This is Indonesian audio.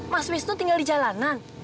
mas wisnu tinggal di jalanan